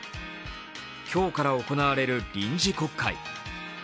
今日から行われる臨時国会。